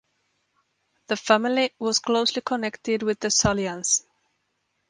The family was closely connected with the Salians.